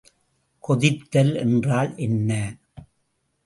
கொதித்தல் என்றால் என்ன?